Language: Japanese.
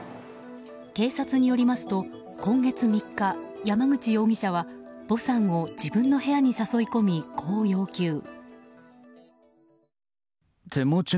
警察によりますと、今月３日山口容疑者はヴォさんを自分の部屋に誘い込みこう要求。